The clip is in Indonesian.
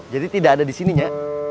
jadi tidak ada di sini nya